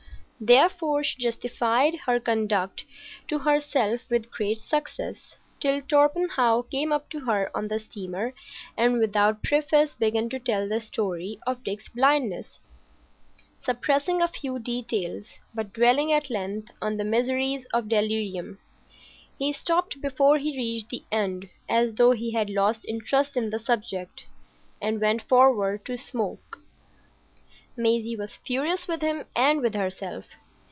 Therefore she justified her conduct to herself with great success, till Torpenhow came up to her on the steamer and without preface began to tell the story of Dick's blindness, suppressing a few details, but dwelling at length on the miseries of delirium. He stopped before he reached the end, as though he had lost interest in the subject, and went forward to smoke. Maisie was furious with him and with herself.